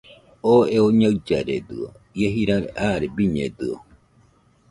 Oo eo ñaɨllaredɨio, ie jira aare biñedɨio